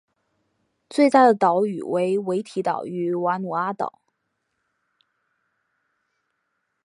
最大的岛屿为维提岛与瓦努阿岛。